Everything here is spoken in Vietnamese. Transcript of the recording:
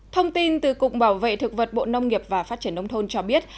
thông tin từ cục bảo vệ thực vật bộ nông nghiệp và phát triển nông thôn cho biết